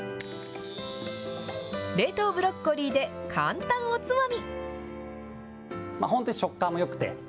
冷凍ブロッコリーで簡単おつまみ。